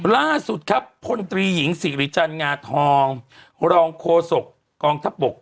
ล่าสุดครับพลตรีหญิงสิริจันทร์งาทองรองโฆษกกองทัพบก